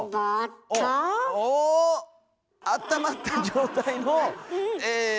おおっあったまった状態のえ